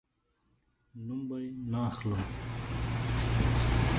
نوم به یې نه اخلم